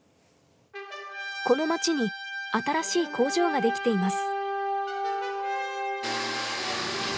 この街に新しい工場ができています。